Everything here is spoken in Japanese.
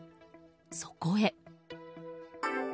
そこへ。